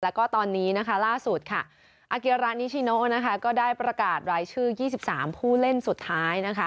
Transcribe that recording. แล้วก็ตอนนี้ล่าสุดอาเกียราณิชิโน้ได้ประกาศรายชื่อ๒๓ผู้เล่นสุดท้าย